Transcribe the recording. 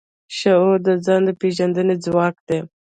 شعور د ځان د پېژندنې ځواک دی.